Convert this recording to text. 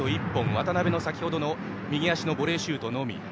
渡邉の先ほどの右足ボレーシュートのみ。